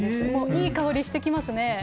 いい香りしてきますね。